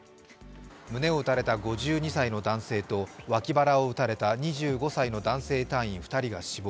胸を撃たれた５２歳の男性と脇腹を撃たれた２５歳の男性隊員２人が死亡。